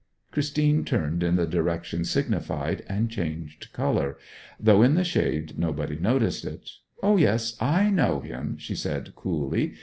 Christine turned in the direction signified, and changed colour though in the shade nobody noticed it, 'Oh, yes I know him,' she said coolly.